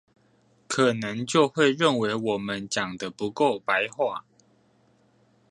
可能就會認為我們講得不夠白話